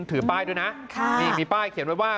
ถือป้ายด้วยนะนี่มีป้ายเขียนไว้ว่า